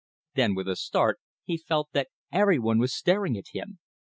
Then, with a start, he felt that everyone was staring at him.